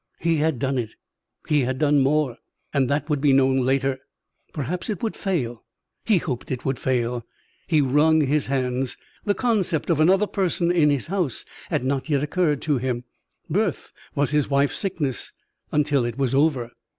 He had done it. He had done more and that would be known later. Perhaps it would fail. He hoped it would fail. He wrung his hands. The concept of another person in his house had not yet occurred to him. Birth was his wife's sickness until it was over.